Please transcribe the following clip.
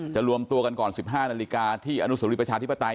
รวมตัวกันก่อน๑๕นาฬิกาที่อนุสรีประชาธิปไตย